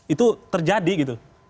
itu terjadi gitu